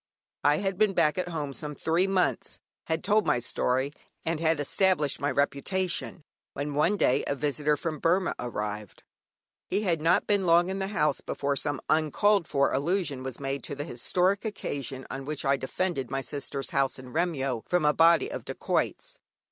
I had been back at home some three months, had told my story, and had established my reputation, when one day a visitor from Burmah arrived. He had not been long in the house before some uncalled for allusion was made to the historic occasion on which I defended my sister's house in Remyo from a body of dacoits.